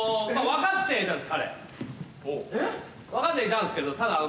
分かってはいたんですけどただ。